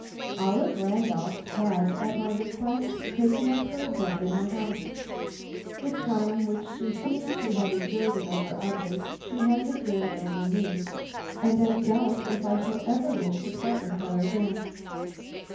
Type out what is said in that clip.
Olive Randolph has, at my request, taken up her abode in my house. The charm which she seems to have exerted over others she has exerted over me, and I doubt if I shall ever wish to part with her again.